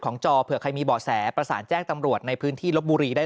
จอเผื่อใครมีบ่อแสประสานแจ้งตำรวจในพื้นที่ลบบุรีได้